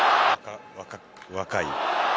若い。